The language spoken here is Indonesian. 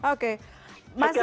oke mas yan